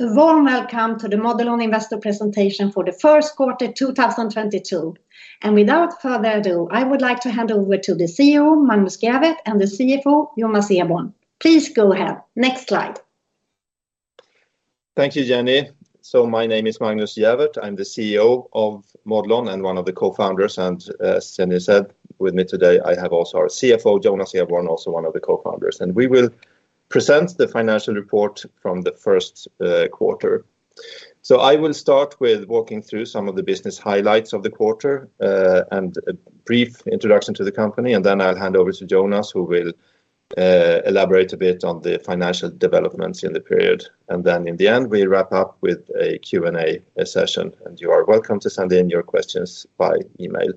Welcome to the Modelon Investor Presentation for the first quarter 2022. Without further ado, I would like to hand over to the CEO, Magnus Gäfvert, and the CFO, Jonas Eborn. Please go ahead. Next slide. Thank you, Jenny. My name is Magnus Gäfvert. I'm the CEO of Modelon and one of the co-founders. As Jenny said, I am joined today by our CFO, Jonas Eborn, also one of the co-founders. We will present the financial results for the first quarter. I will start with walking through some of the business highlights of the quarter and a brief introduction to the company, and then I'll hand over to Jonas who will elaborate on the financial developments in the period. We will then conclude with a Q&A session, and you are welcome to send in your questions by email.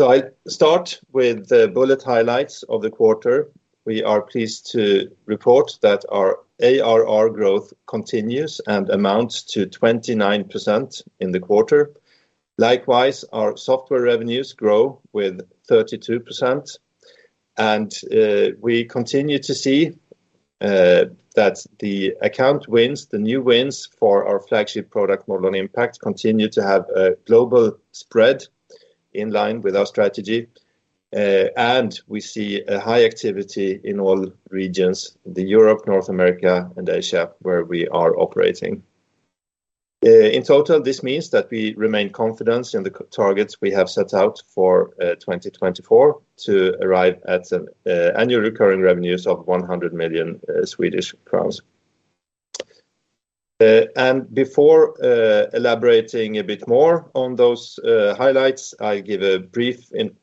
I start with the bullet highlights of the quarter. We are pleased to report that our ARR growth continues and amounts to 29% in the quarter. Likewise, our software revenues grew by 32%. We continue to see that new customer wins for our flagship product, Modelon Impact, continue to have a global spread in line with our strategy. We see a high activity in all regions, Europe, North America, and Asia, where we are operating. In total, this means that we remain confident in the targets we have set out for 2024 to reach annual recurring revenue of 100 million Swedish crowns. Before elaborating a bit more on those highlights, I give a brief introduction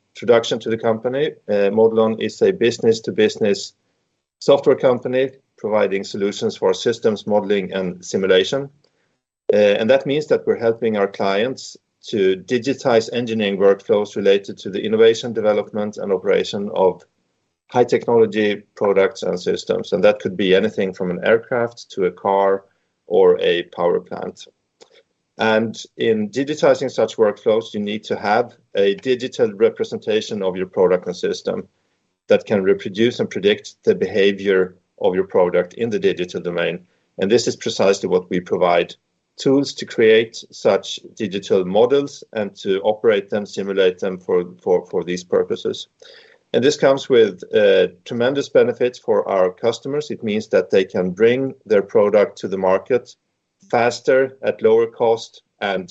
to the company. Modelon is a business-to-business software company providing solutions for systems modeling and simulation. That means that we're helping our clients to digitize engineering workflows related to the innovation, development, and operation of high technology products and systems, and that could be anything from an aircraft to a car or a power plant. In digitizing such workflows, you need to have a digital representation of your product and system that can reproduce and predict the behavior of your product in the digital domain, and this is precisely what we provide tools to create such digital models and to operate them, simulate them for these purposes. This comes with tremendous benefits for our customers. It means that they can bring their product to the market faster, at lower cost, and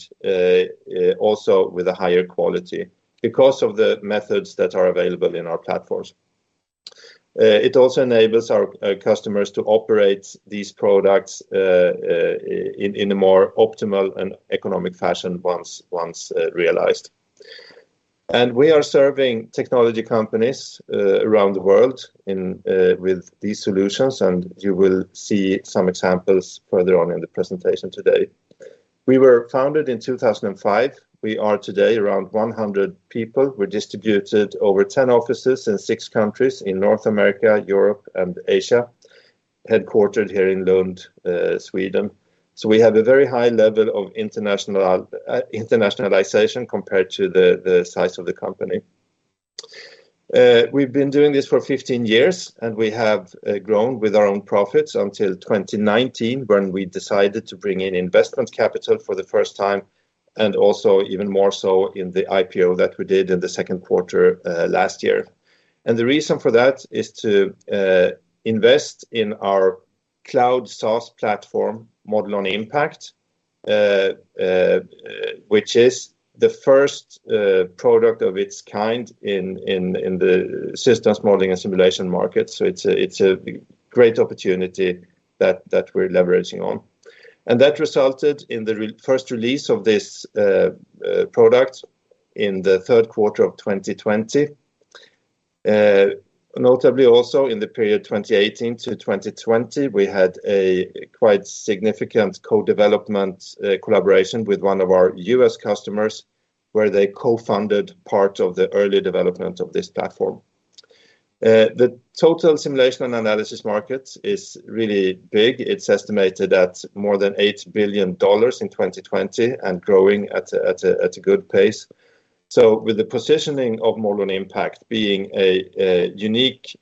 also with a higher quality because of the methods that are available in our platforms. It also enables our customers to operate these products in a more optimal and economic fashion once realized. We are serving technology companies around the world with these solutions, and you will see some examples further on in the presentation today. We were founded in 2005. We are today around 100 people. We're distributed over 10 offices in 6 countries in North America, Europe, and Asia, headquartered here in Lund, Sweden. We have a very high level of internationalization compared to the size of the company. We've been doing this for 15 years, and we have grown with our own profits until 2019 when we decided to bring in investment capital for the first time and also even more so in the IPO that we did in the second quarter last year. The reason for that is to invest in our cloud SaaS platform, Modelon Impact, which is the first product of its kind in the systems modeling and simulation market. It's a great opportunity that we're leveraging on. That resulted in the first release of this product in the third quarter of 2020. Notably also in the period 2018 to 2020, we had a quite significant co-development collaboration with one of our U.S. customers, where they co-funded part of the early development of this platform. The total simulation and analysis market is really big. It's estimated at more than $8 billion in 2020 and growing at a good pace. With the positioning of Modelon Impact being a unique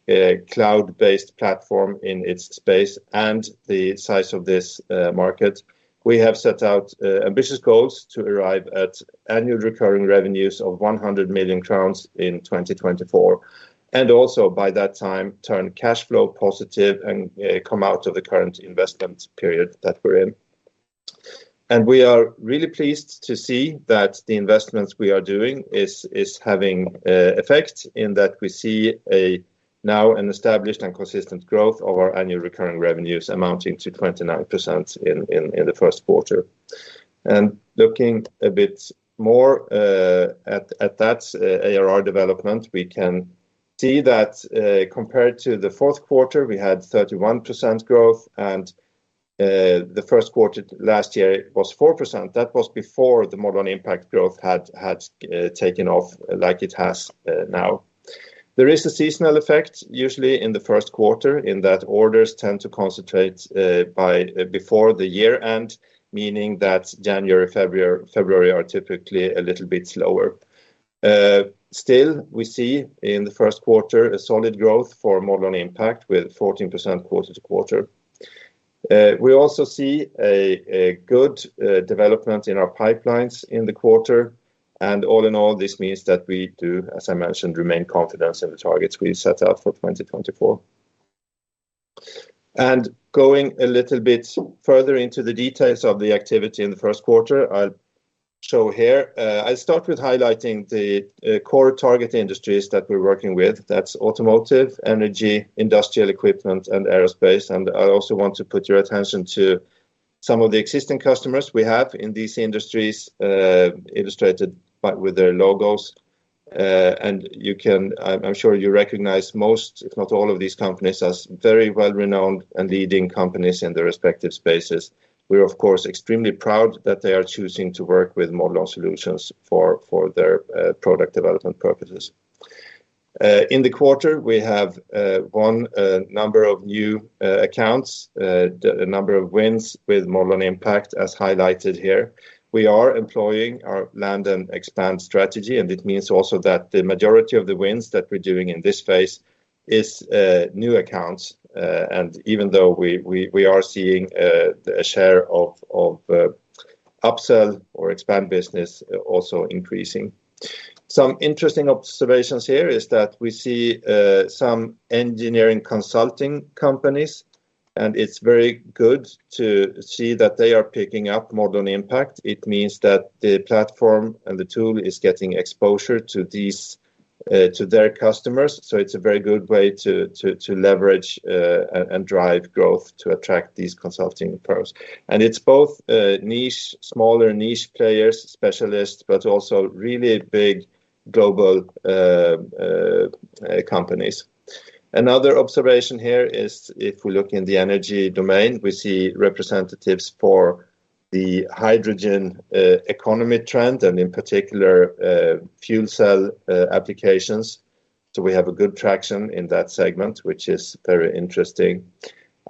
cloud-based platform in its space and the size of this market, we have set out ambitious goals to arrive at annual recurring revenues of 100 million crowns in 2024 and also by that time turn cash flow positive and come out of the current investment period that we're in. We are really pleased to see that the investments we are making are having an effect in that we see now an established and consistent growth of our annual recurring revenues amounting to 29% in the first quarter. Looking a bit more at that ARR development, we can see that compared to the fourth quarter, we had 31% growth, compared to 4% in the first quarter last year. That was before the Modelon Impact growth had taken off like it has now. There is a seasonal effect usually in the first quarter in that orders tend to concentrate before the year-end, meaning that January, February are typically a little bit slower. Still, we see in the first quarter a solid growth for Modelon Impact with 14% quarter-to-quarter. We also see a good development in our pipelines in the quarter, and all in all, this means that we do, as I mentioned, remain confident in the targets we set out for 2024. Going a little bit further into the details of the activity in the first quarter, I'll show here. I'll start with highlighting the core target industries that we're working with. That's automotive, energy, industrial equipment, and aerospace. I also want to draw your attention to some of the existing customers we have in these industries, illustrated by with logos. I'm sure you recognize most, if not all of these companies, as very well-renowned and leading companies in their respective spaces. we are, of course, extremely proud that they choose to work with Modelon solutions for their product development purposes. In the quarter, we have won a number of new accounts, a number of wins with Modelon Impact, as highlighted here. We are employing our land and expand strategy, and it means also that the majority of the wins that we're doing in this phase is new accounts. Even though we are seeing a share of upsell or expand business also increasing. Some interesting observations here are that we see some engineering consulting companies, and it's very good to see that they are picking up Modelon Impact. It means that the platform and the tool is getting exposure to their customers, so it's a very good way to leverage and drive growth to attract these consulting firms. It's both niche, smaller niche players, specialists, but also really big global companies. Another observation here is if we look in the energy domain, we see representatives for the hydrogen economy trend and in particular, fuel cell applications. We have a good traction in that segment, which is very interesting.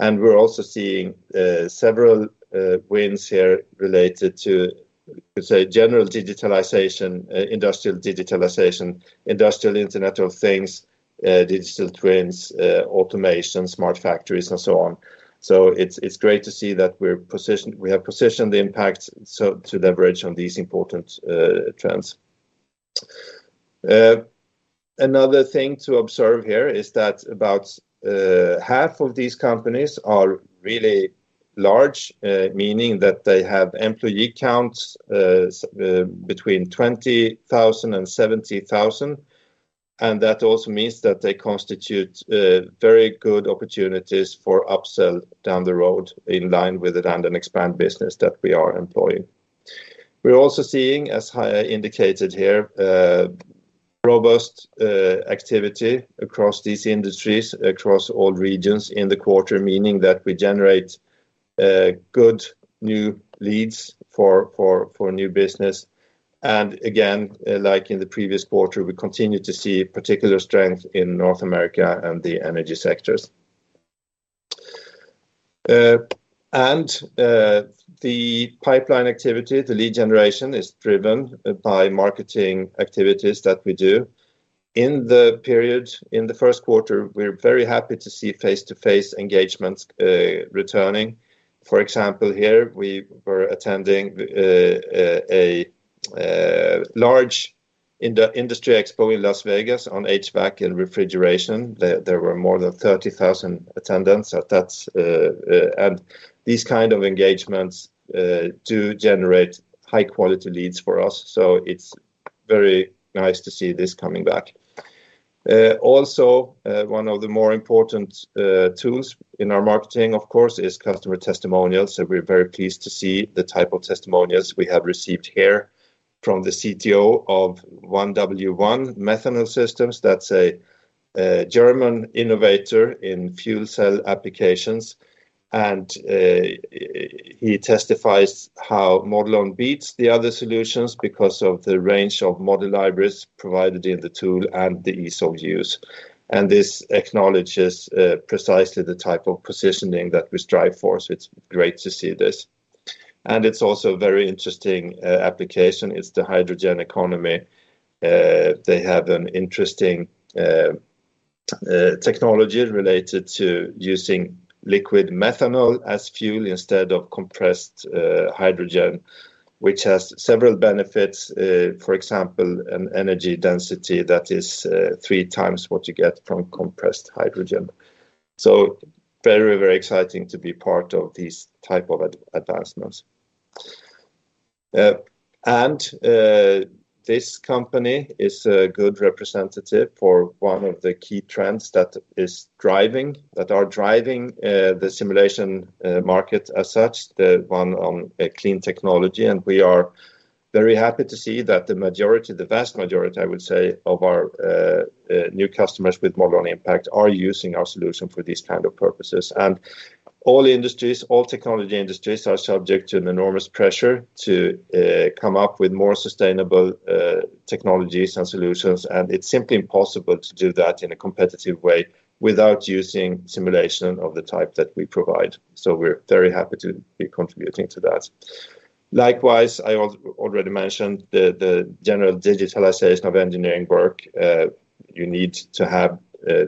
We're also seeing several wins here related to, say, general digitalization, industrial digitalization, industrial Internet of Things, digital twins, automation, smart factories, and so on. It's great to see that we have positioned Impact so to leverage on these important trends. Another thing to observe here is that about half of these companies are really large, meaning that they have employee counts between 20,000 and 70,000, and that also means that they constitute very good opportunities for upsell down the road in line with the land and expand business that we are employing. We're also seeing, as I indicated here, robust activity across these industries across all regions in the quarter, meaning that we generate good new leads for new business. Again, like in the previous quarter, we continue to see particular strength in North America and the energy sectors. The pipeline activity, the lead generation, is driven by marketing activities that we do. In the period, in the first quarter, we're very happy to see face-to-face engagements returning. For example, here we were attending a large industry expo in Las Vegas on HVAC and refrigeration. There were more than 30,000 attendees at that. These kind of engagements do generate high-quality leads for us, so it's very nice to see this coming back. Also, one of the more important tools in our marketing, of course, is customer testimonials, so we're very pleased to see the type of testimonials we have received here from the CTO of Blue World Technologies. That's a German innovator in fuel cell applications. He testifies how Modelon beats the other solutions because of the range of model libraries provided in the tool and the ease of use. This acknowledges precisely the type of positioning that we strive for, so it's great to see this. It is also a very interesting application.It's the hydrogen economy. They have an interesting technology related to using liquid methanol as fuel instead of compressed hydrogen, which has several benefits, for example, an energy density that is three times what you get from compressed hydrogen. Very, exciting to be part of these type of advancements. This company is a good representative for one of the key trends that are driving the simulation market as such, the one on clean technology. We are very happy to see that the majority, the vast majority, I would say, of our new customers with Modelon Impact are using our solution for these kind of purposes. All industries, all technology industries, are subject to an enormous pressure to come up with more sustainable technologies and solutions, and it's simply impossible to do that in a competitive way without using simulation of the type that we provide. We're very happy to be contributing to that. Likewise, I already mentioned the general digitalization of engineering work. You need to have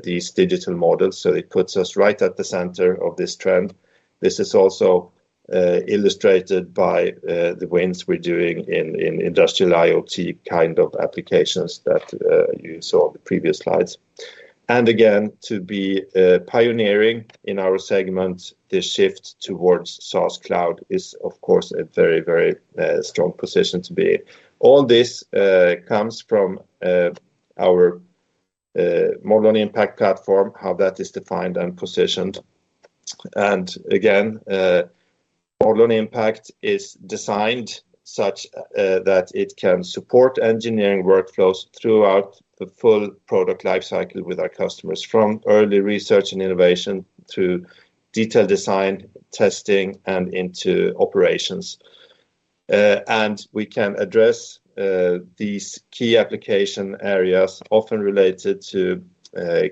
these digital models, so it puts us right at the center of this trend. This is also illustrated by the wins we're doing in industrial IoT kind of applications that you saw in the previous slides. Again, to be pioneering in our segment, the shift toward SaaS Cloud is, of course, a very, very strong position to be in. All this comes from our Modelon Impact platform, how that is defined and positioned. Again, Modelon Impact is designed such that it can support engineering workflows throughout the full product life cycle with our customers, from early research and innovation to detailed design, testing, and into operations. We can address these key application areas often related to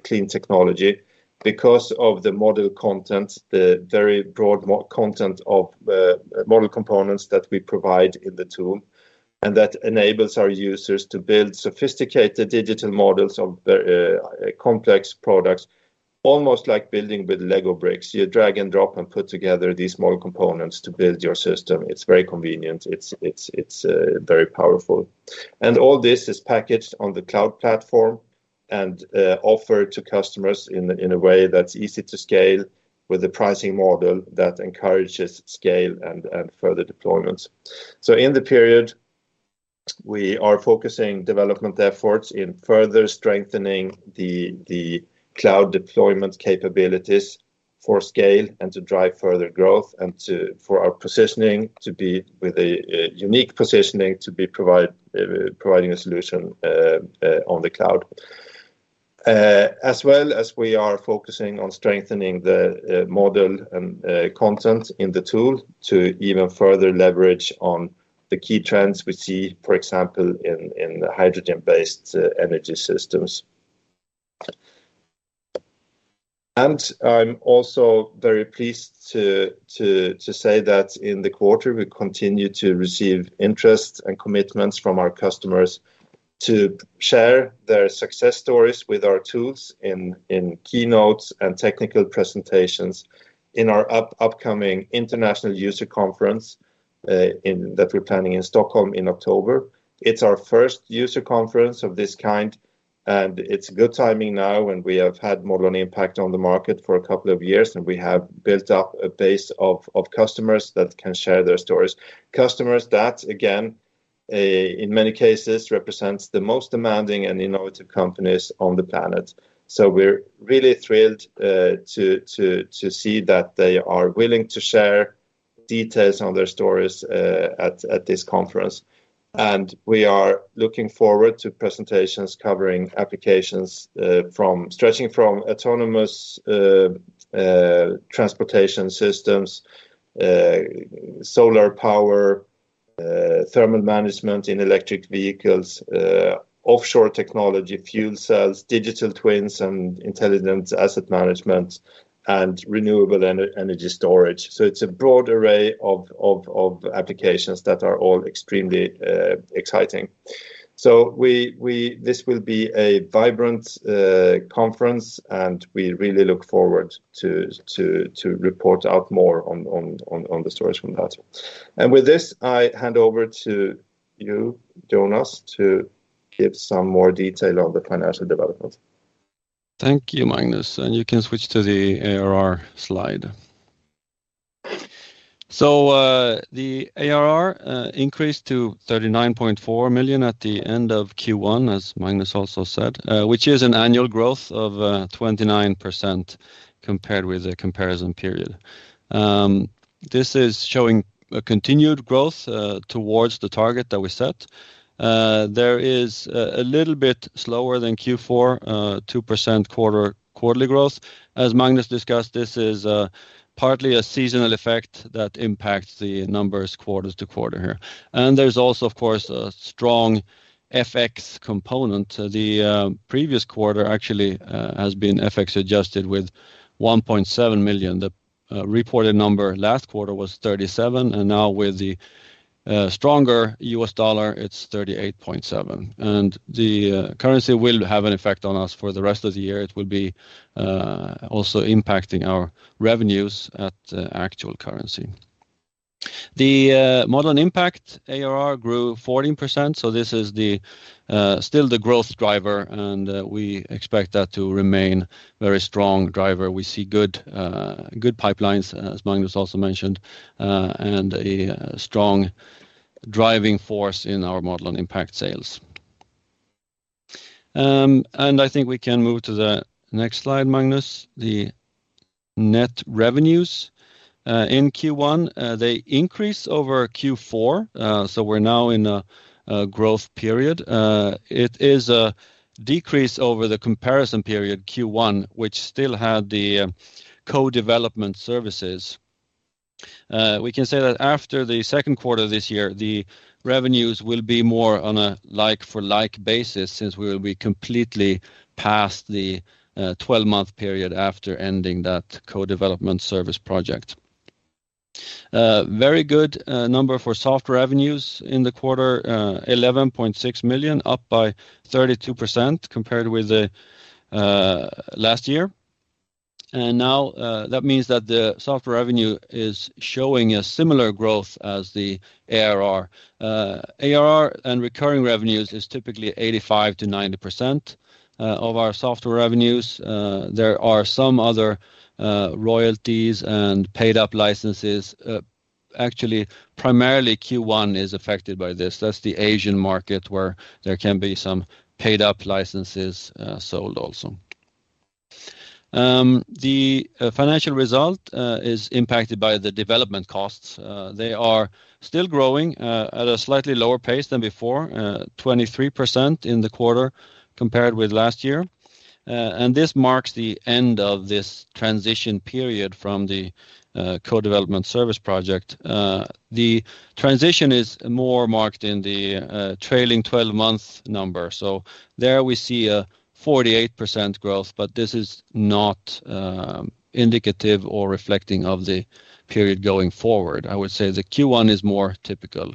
clean technology because of the model content, the very broad model content of model components that we provide in the tool, and that enables our users to build sophisticated digital models of very complex products, almost like building with LEGO bricks. You drag and drop and put together these model components to build your system. It's very convenient. It's very powerful. All this is packaged on the cloud platform and offered to customers in a way that's easy to scale with a pricing model that encourages scale and further deployments. In the period, we are focusing our development efforts on strengthening the cloud deployment capabilities to support scale, drive further growth, and strengthen our positioning to be with a unique positioning to be providing a solution on the cloud. As well as we are focusing on strengthening the model and content in the tool to even further leverage on the key trends we see, for example, in hydrogen-based energy systems. I'm also very pleased to say that in the quarter, we continue to receive interest and commitments from our customers to share their success stories with our tools in keynotes and technical presentations in our upcoming international user conference that we're planning in Stockholm in October. It's our first user conference of this kind, and it's good timing now, and we have had Modelon Impact on the market for a couple of years, and we have built up a base of customers that can share their stories. Customers that, again, in many cases, represent the most demanding and innovative companies on the planet. We're really thrilled to see that they are willing to share details on their stories at this conference. We are looking forward to presentations covering applications stretching from autonomous transportation systems, solar power, thermal management in electric vehicles, offshore technology, fuel cells, digital twins, and intelligent asset management, and renewable energy storage. It's a broad array of applications that are all extremely exciting. This will be a vibrant conference, and we really look forward toreport more on these stories from that. With this, I hand over to you, Jonas, to give some more detail on the financial development. Thank you, Magnus. You can switch to the ARR slide. The ARR increased to 39.4 million at the end of Q1, as Magnus also said, which is an annual growth of 29% compared with the comparison period. This is showing a continued growth towards the target that we set. Quarterly growth of 2% was slightly lower than in Q4. As Magnus discussed, this is partly a seasonal effect that impacts the numbers quarter-to-quarter here. There's also, of course, a strong FX component. The previous quarter actually has been FX-adjusted with 1.7 million. The reported number last quarter was 37 million, and now with the stronger U.S. dollar, it's 38.7 million. The currency will have an effect on us for the rest of the year. It will also impact our revenues at actual currency. The Modelon Impact ARR grew 14%, so this is still the growth driver, and we expect that to remain very strong driver. We see good pipelines, as Magnus also mentioned, and a strong driving force in our Modelon Impact sales. I think we can move to the next slide, Magnus. The net revenues in Q1 increase over Q4, so we're now in a growth period. It is a decrease over the comparison period, Q1, which still had the co-development services. We can say that after the second quarter this year, the revenues will be more on a like for like basis since we will be completely past the 12-month period after ending that co-development service project. Very good number for software revenues in the quarter, 11.6 million, up by 32% compared with last year. Now that means that the software revenue is showing a similar growth as the ARR. ARR and recurring revenues is typically 85%-90% of our software revenues. There are some other royalties and paid-up licenses. Actually, primarily Q1 is affected by this. That's the Asian market where there can be some paid-up licenses sold also. The financial result is impacted by the development costs. They are still growing at a slightly lower pace than before, 23% in the quarter compared with last year. This marks the end of this transition period from the co-development service project. The transition is more marked in the trailing twelve month number. There we see a 48% growth, but this is not indicative or reflecting of the period going forward. I would say the Q1 is more typical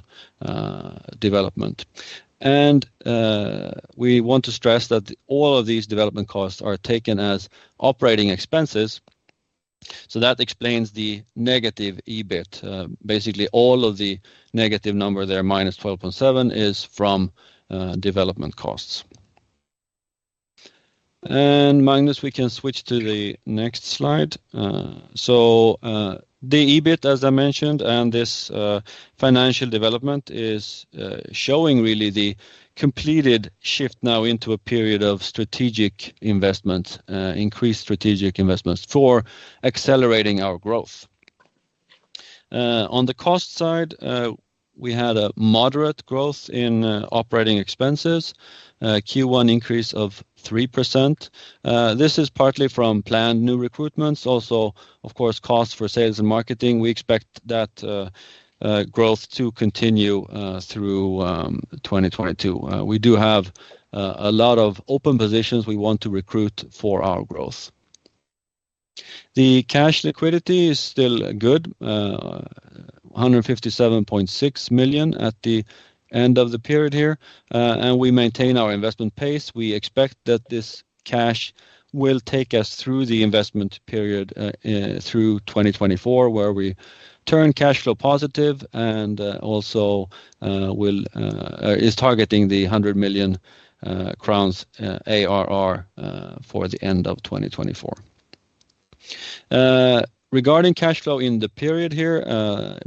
development. We want to stress that all of these development costs are taken as operating expenses, so that explains the negative EBIT. Basically all of the negative number there, -12.7 million, is from development costs. Magnus, we can switch to the next slide. The EBIT, as I mentioned, and this financial development is showing really the completed shift now into a period of strategic investment, increased strategic investments for accelerating our growth. On the cost side, we had a moderate growth in operating expenses, Q1 increase of 3%. This is partly from planned new recruitments, also of course cost for sales and marketing. We expect that growth to continue through 2022. We do have a lot of open positions we want to recruit for our growth. The cash liquidity is still good, 157.6 million at the end of the period here. We maintain our investment pace. We expect that this cash will take us through the investment period to 2024, where we turn cash flow positive and also target SEK 100 million ARR for the end of 2024. Regarding cash flow in the period here, -11.2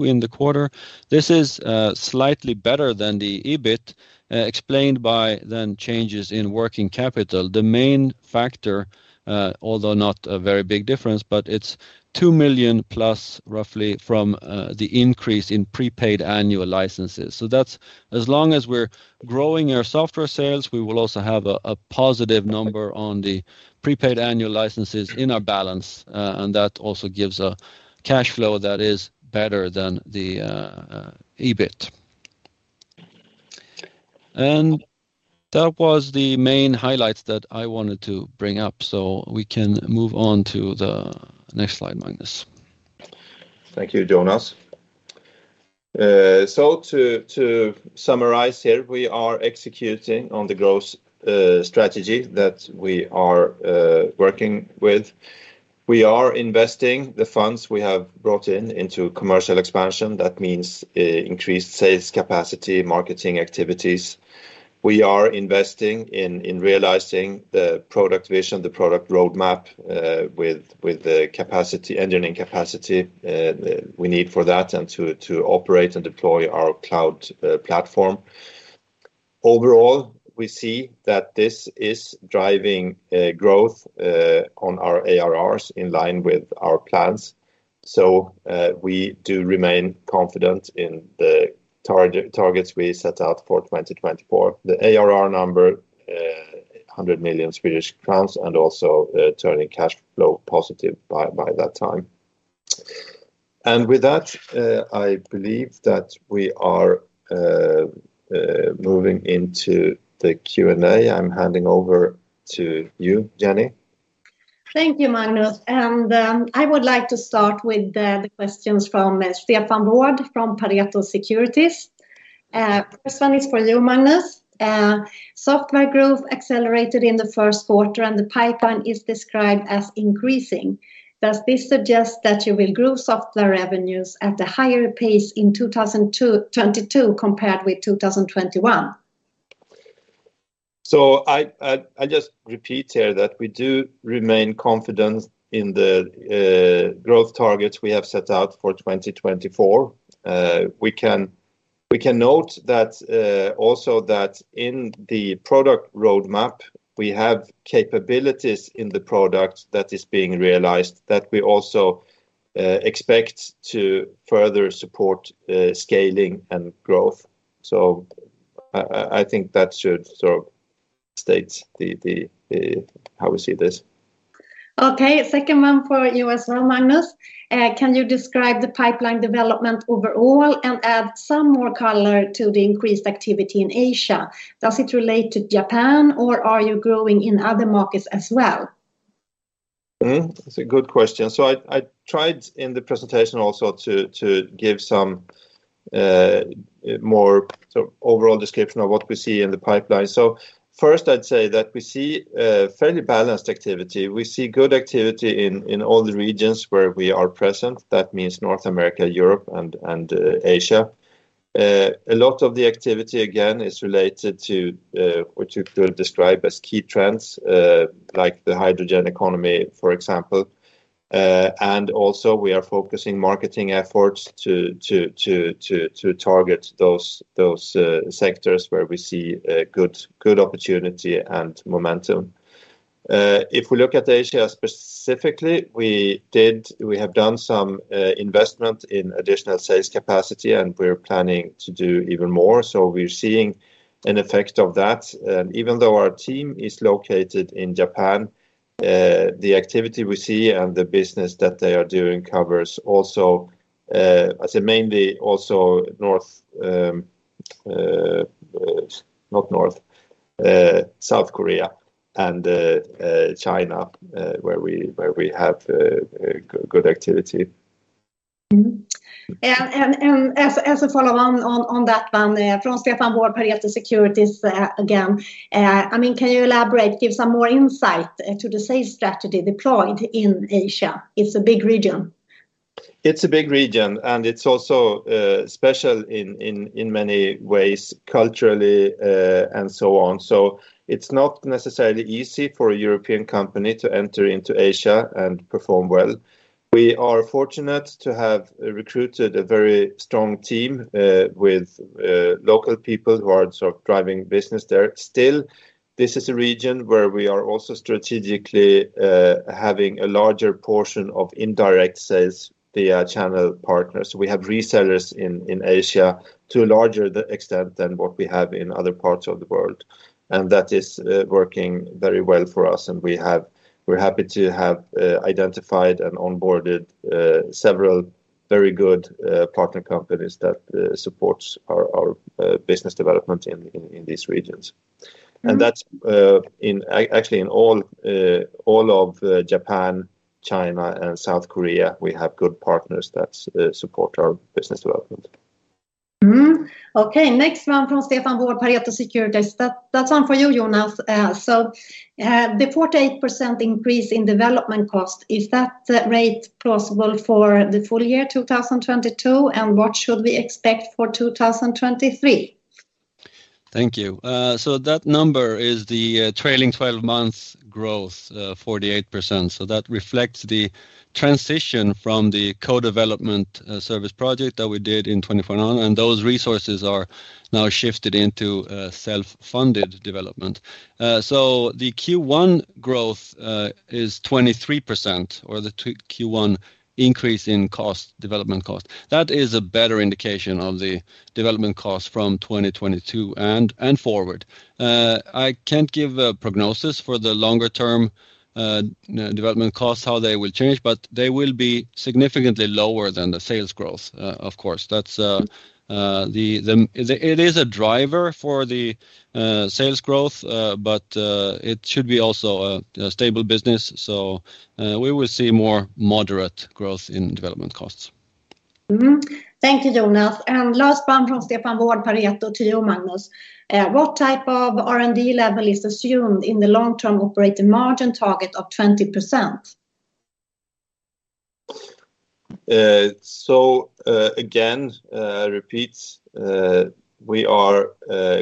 million in the quarter. This is slightly better than the EBIT, explained by the changes in working capital. The main factor, although not a very big difference, but it's 2 million plus roughly from the increase in prepaid annual licenses. That's as long as we're growing our software sales, we will also have a positive number on the prepaid annual licenses in our balance. That also gives a cash flow that is better than the EBIT. That was the main highlights that I wanted to bring up so we can move on to the next slide, Magnus. Thank you, Jonas. To summarize here, we are executing on the growth strategy that we are working with. We are investing the funds we have brought in into commercial expansion. That means increased sales capacity, marketing activities. We are investing in realizing the product vision, the product roadmap with the engineering capacity we need for that and to operate and deploy our cloud platform. Overall, we see that this is driving growth on our ARRs in line with our plans. We do remain confident in the targets we set out for 2024. The ARR number 100 million Swedish crowns, and also turning cash flow positive by that time. With that, I believe that we are moving into the Q&A. I'm handing over to you, Jenny. Thank you, Magnus. I would like to start with the questions from Stefan Wåhld from Pareto Securities. First one is for you, Magnus. Software growth accelerated in the first quarter, and the pipeline is described as increasing. Does this suggest that you will grow software revenues at a higher pace in 2022 compared with 2021? I just repeat here that we do remain confident in the growth targets we have set out for 2024. We can note that also that in the product roadmap, we have capabilities in the product that is being realized that we also expect to further support scaling and growth. I think that should sort of state the how we see this. Okay. Second one for you as well, Magnus. Can you describe the pipeline development overall and add some more color to the increased activity in Asia? Does it relate to Japan or are you growing in other markets as well? That's a good question. I tried in the presentation also to give some more sort of overall description of what we see in the pipeline. First I'd say that we see a fairly balanced activity. We see good activity in all the regions where we are present. That means North America, Europe, and Asia. A lot of the activity again is related to what you could describe as key trends like the hydrogen economy, for example. We are focusing marketing efforts to target those sectors where we see a good opportunity and momentum. If we look at Asia specifically, we have done some investment in additional sales capacity, and we're planning to do even more, so we're seeing an effect of that. Even though our team is located in Japan, the activity we see and the business that they are doing covers also, I say mainly also South Korea and China, where we have good activity. As a follow on that one, from Stefan Wåhld, Pareto Securities, again, I mean, can you elaborate, give some more insight to the sales strategy deployed in Asia? It's a big region. It's a big region, and it's also special in many ways culturally, and so on. It's not necessarily easy for a European company to enter into Asia and perform well. We are fortunate to have recruited a very strong team with local people who are sort of driving business there. Still, this is a region where we are also strategically having a larger portion of indirect sales via channel partners. We have resellers in Asia to a larger extent than what we have in other parts of the world, and that is working very well for us. We're happy to have identified and onboarded several very good partner companies that supports our business development in these regions. Mm-hmm. That's actually in all of Japan, China, and South Korea. We have good partners that support our business development. Next one from Stefan Wåhld, Pareto Securities. That's one for you, Jonas. So, the 48% increase in development cost, is that rate plausible for the full year 2022, and what should we expect for 2023? Thank you. That number is the trailing 12 months growth, 48%. That reflects the transition from the co-development service project that we did in 2021, and those resources are now shifted into self-funded development. The Q1 growth is 23%, or the Q1 increase in cost, development cost. That is a better indication of the development cost from 2022 and forward. I can't give a prognosis for the longer term development costs, how they will change, but they will be significantly lower than the sales growth, of course. That is a driver for the sales growth, but it should be also a stable business. We will see more moderate growth in development costs. Thank you, Jonas. Last one from Stefan Wåhld, Pareto to you, Magnus. What type of R&D level is assumed in the long-term operating margin target of 20%? Again, we are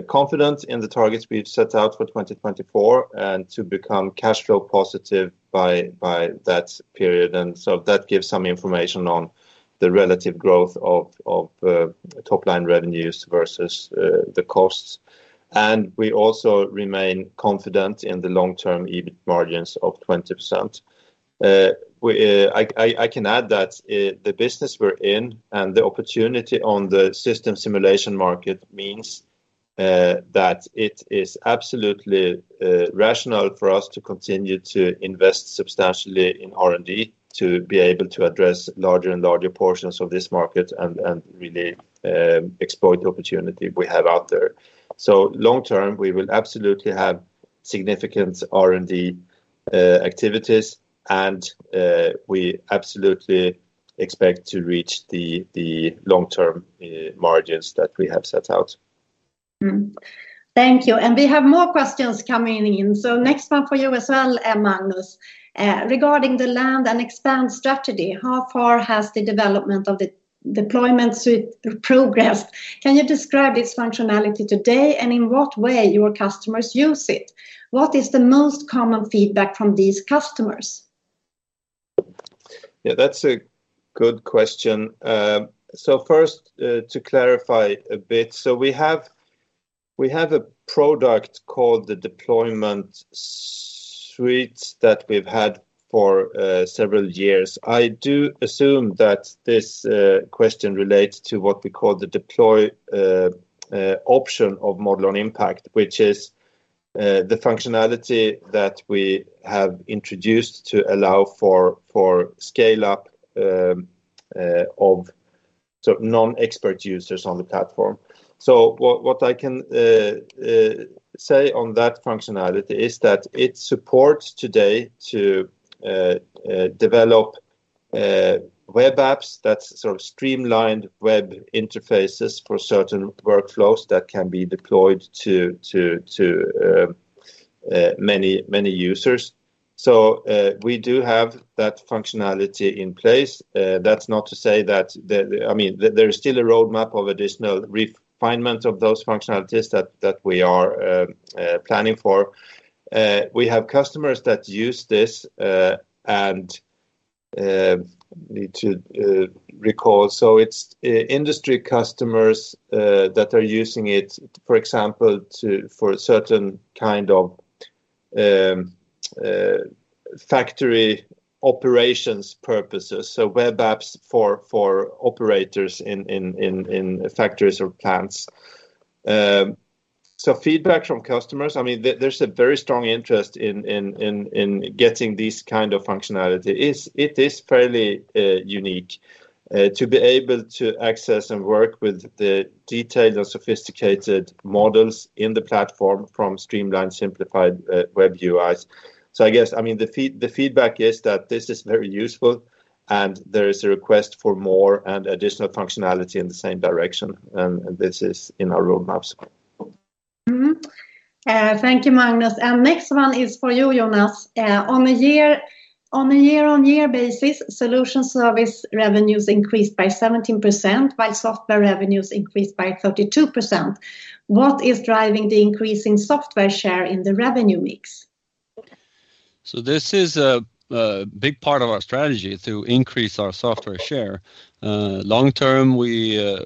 confident in the targets we've set out for 2024 and to become cash flow positive by that period, and so that gives some information on the relative growth of top line revenues versus the costs. We also remain confident in the long-term EBIT margins of 20%. I can add that the business we're in and the opportunity on the system simulation market means that it is absolutely rational for us to continue to invest substantially in R&D to be able to address larger and larger portions of this market and really exploit the opportunity we have out there. Long-term, we will absolutely have significant R&D activities, and we absolutely expect to reach the long-term margins that we have set out. Mm-hmm. Thank you. We have more questions coming in, so next one for you as well, Magnus. Regarding the land and expand strategy, how far has the development of the Deployment Suite progressed? Can you describe its functionality today, and in what way your customers use it? What is the most common feedback from these customers? Yeah, that's a good question. First, to clarify a bit, we have a product called the Deployment Suite that we've had for several years. I do assume that this question relates to what we call the deploy option of Modelon Impact, which is the functionality that we have introduced to allow for scale-up of non-expert users on the platform. What I can say on that functionality is that it supports today to develop web apps that sort of streamlined web interfaces for certain workflows that can be deployed to many users. We do have that functionality in place. That's not to say that the, I mean, there is still a roadmap of additional refinement of those functionalities that we are planning for. We have customers that use this and need to recall. It's industry customers that are using it, for example, for a certain kind of factory operations purposes. Web apps for operators in factories or plants. Feedback from customers, I mean, there's a very strong interest in getting this kind of functionality. It is fairly unique to be able to access and work with the detailed or sophisticated models in the platform from streamlined, simplified web UIs. I guess, I mean, the feedback is that this is very useful, and there is a request for more and additional functionality in the same direction, and this is in our roadmaps. Thank you, Magnus. Next one is for you, Jonas. On a year-on-year basis, solution service revenues increased by 17%, while software revenues increased by 32%. What is driving the increase in software share in the revenue mix? This is a big part of our strategy to increase our software share. Long term, we're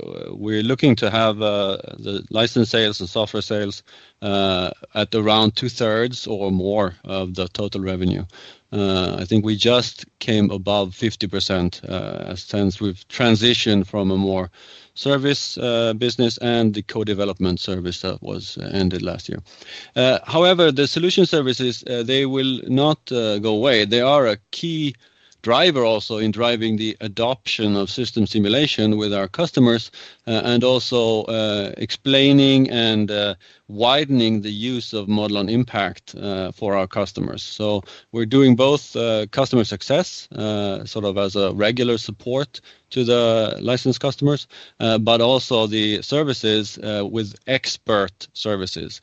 looking to have the license sales and software sales at around two-thirds or more of the total revenue. I think we just came above 50% since we've transitioned from a more service business and the co-development service that was ended last year. However, the solution services they will not go away. They are a key driver also in driving the adoption of system simulation with our customers and also explaining and widening the use of Modelon Impact for our customers. We're doing both, customer success, sort of as a regular support to the licensed customers, but also the services, with expert services,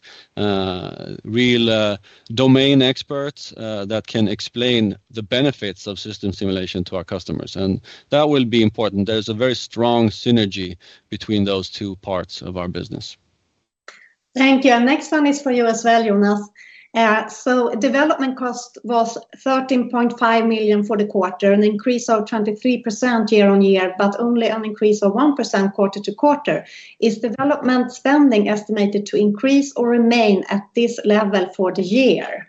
real, domain experts, that can explain the benefits of system simulation to our customers. That will be important. There's a very strong synergy between those two parts of our business. Thank you. Next one is for you as well, Jonas. Development cost was 13.5 million for the quarter, an increase of 23% year-on-year, but only an increase of 1% quarter-to-quarter. Is development spending estimated to increase or remain at this level for the year?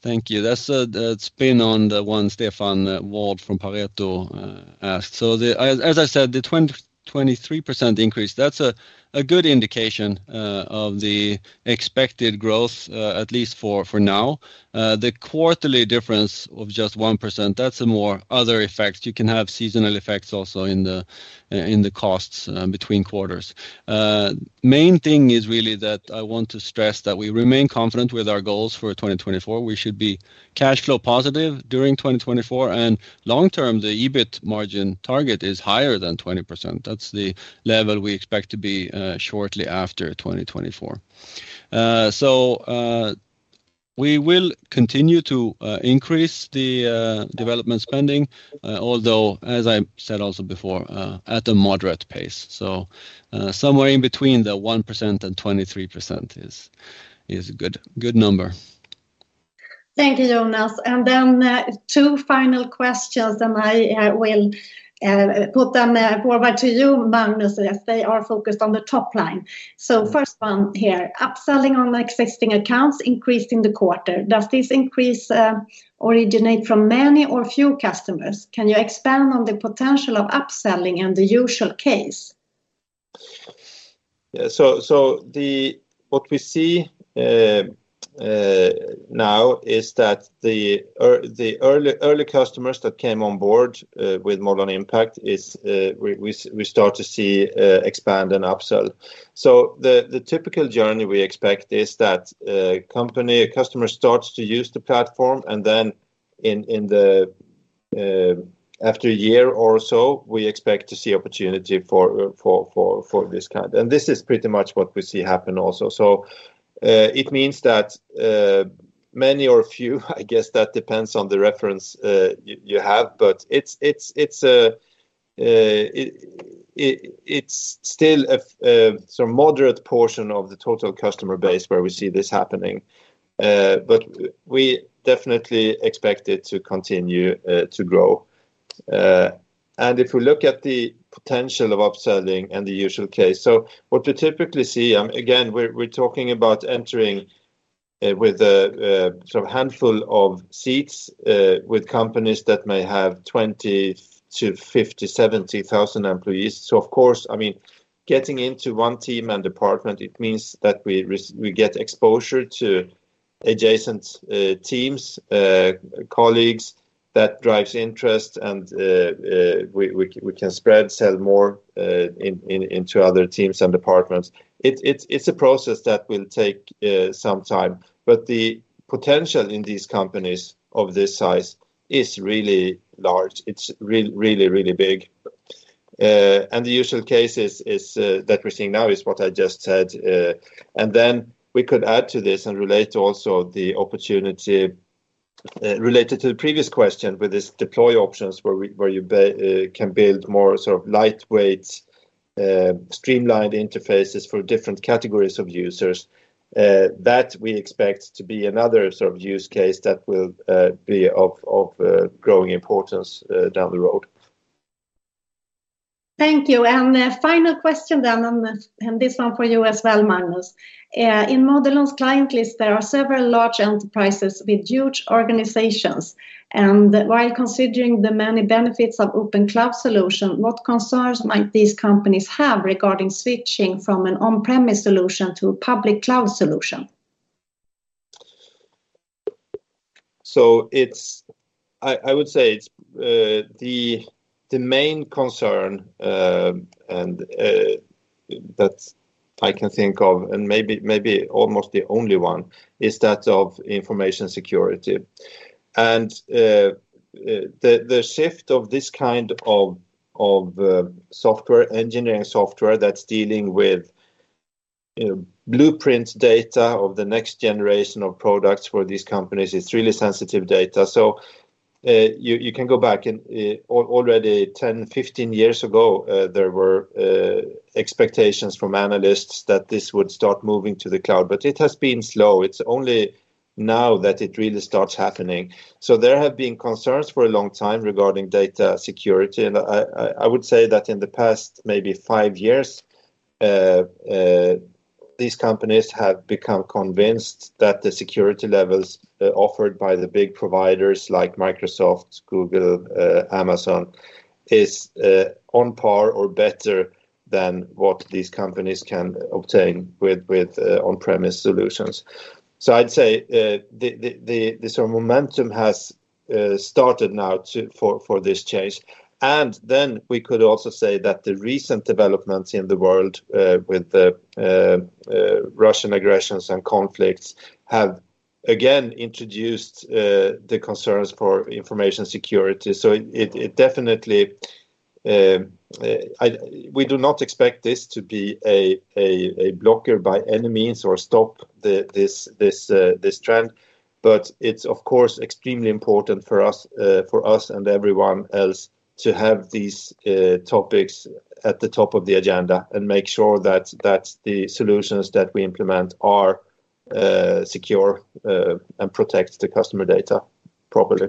Thank you. that is similar to the previous question, Stefan Wåhld from Pareto Securities asked. As I said, the 23% increase, that's a good indication of the expected growth, at least for now. The quarterly difference of just 1%, that's more other effects. You can have seasonal effects also in the costs between quarters. Main thing is really that I want to stress that we remain confident with our goals for 2024. We should be cash flow positive during 2024, and long term, the EBIT margin target is higher than 20%. That's the level we expect to be shortly after 2024. We will continue to increase the development spending, although, as I said also before, at a moderate pace. Somewhere in between 1% and 23% is a good number. Thank you, Jonas. Two final questions, and I will put them forward to you, Magnus, as they are focused on the top line. First one here, upselling on existing accounts increased in the quarter. Does this increase originate from many or few customers? Can you expand on the potential of upselling and the usual case? What we see now is that the early customers that came on board with Modelon Impact, we start to see expand and upsell. The typical journey we expect is that a company, a customer starts to use the platform, and then after a year or so, we expect to see opportunity for this kind. This is pretty much what we see happen also. It means that many or few, I guess that depends on the reference you have, but it's a sort of moderate portion of the total customer base where we see this happening. We definitely expect it to continue to grow. If you look at the potential of upselling and the usual case, so what we typically see, again, we're talking about entering with a sort of handful of seats with companies that may have 20,000 to 50,000, 70,000 employees. Of course, I mean, getting into one team and department, it means that we get exposure to adjacent teams, colleagues that drives interest and we can sell more into other teams and departments. It's a process that will take some time, but the potential in these companies of this size is really large. It's really big. the usual case we are seeing now is what I just said. We could add to this and relate also the opportunity related to the previous question with this deploy options where you can build more sort of lightweight streamlined interfaces for different categories of users. That we expect to be another sort of use case that will be of growing importance down the road. Thank you. This one for you as well, Magnus. In Modelon's client list, there are several large enterprises with huge organizations. While considering the many benefits of open cloud solution, what concerns might these companies have regarding switching from an on-premise solution to a public cloud solution? I would say it's the main concern and that I can think of, and maybe almost the only one is that of information security. The shift of this kind of software engineering software that's dealing with blueprint data of the next generation of products for these companies is really sensitive data. You can go back and already 10-15 years ago there were expectations from analysts that this would start moving to the cloud, but it has been slow. It's only now that it really starts happening. There have been concerns for a long time regarding data security. I would say that in the past maybe five years these companies have become convinced that the security levels offered by the big providers like Microsoft, Google, Amazon is on par or better than what these companies can obtain with on-premise solutions. I'd say the sort of momentum has started now for this change. We could also say that the recent developments in the world with the Russian aggression and conflicts have again introduced the concerns for information security. It definitely We do not expect this to be a blocker by any means or stop this trend, but it's of course extremely important for us and everyone else to have these topics at the top of the agenda and make sure that the solutions that we implement are secure and protect the customer data properly.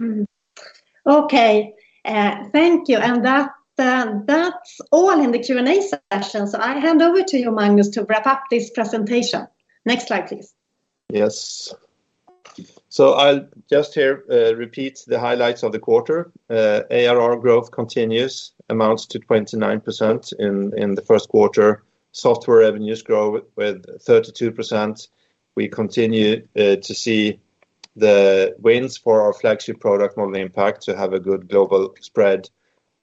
Mm-hmm. Okay. Thank you. That's all in the Q&A session. I hand over to you, Magnus, to wrap up this presentation. Next slide, please. Yes. I'll just repeat the highlights of the quarter. ARR growth continues, amounts to 29% in the first quarter. Software revenues grow with 32%. We continue to see the wins for our flagship product, Modelon Impact, to have a good global spread,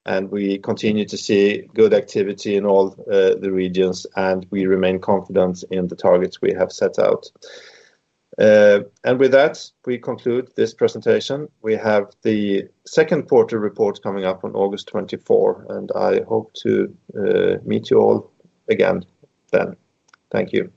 and we continue to see good activity in all the regions, and we remain confident in the targets we have set out. With that, we conclude this presentation. We have the second quarter report coming up on August 24, and I hope to meet you all again then. Thank you.